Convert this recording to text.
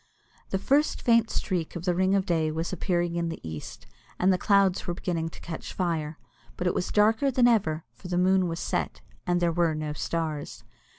The first faint streak of the ring of day was appearing in the east, and the clouds were beginning to catch fire, but it was darker than ever, for the moon was set, and there were no stars.